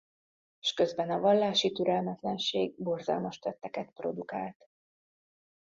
S közben a vallási türelmetlenség borzalmas tetteket produkált.